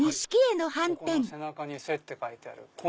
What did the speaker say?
ここの背中に「せ」って書いてある。